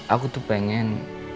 aku tuh pengen